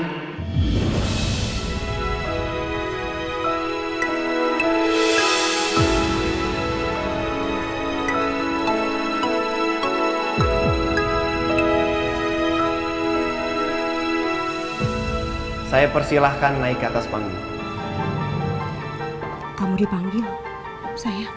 dan juga saya ingin memberitahukan sesuatu yang sangat penting bagi saya